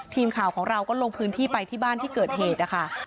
ทีมข่าวของเราก็ลงพื้นที่ไปที่บ้านที่เกิดเหตุนะคะ